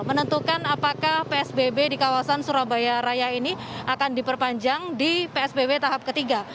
menentukan apakah psbb di kawasan surabaya raya ini akan diperpanjang di psbb tahap ketiga